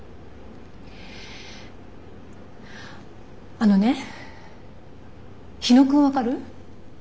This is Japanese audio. あのね火野くん分かる？